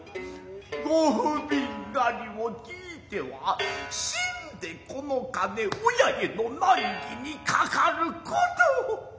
御不愍がりを聞いては死んでこの金親への難儀にかかる事。